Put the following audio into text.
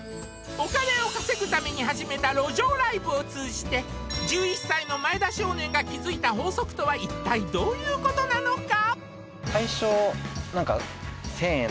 お金を稼ぐために始めた路上ライブを通じて１１歳の前田少年が気付いた法則とは一体どういうことなのか？